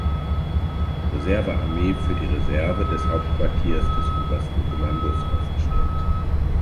Reservearmee für die Reserve des Hauptquartiers des Obersten Kommandos aufgestellt.